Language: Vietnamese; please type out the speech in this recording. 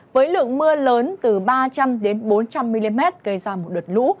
với lượng mưa lớn từ ba trăm linh bốn trăm linh mm gây ra một đợt lũ